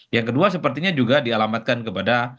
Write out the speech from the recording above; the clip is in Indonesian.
yang kedua sepertinya juga dialamatkan kepada